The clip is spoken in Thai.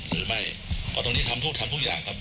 หรือไม่ก็ตรงนี้ทำทุกอย่างครับ